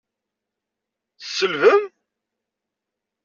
Tselbem?